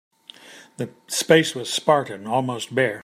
The space was spartan, almost bare.